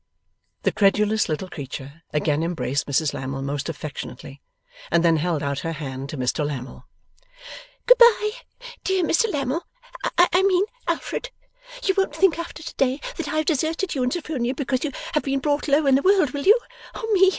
The credulous little creature again embraced Mrs Lammle most affectionately, and then held out her hand to Mr Lammle. 'Good bye, dear Mr Lammle I mean Alfred. You won't think after to day that I have deserted you and Sophronia because you have been brought low in the world, will you? Oh me!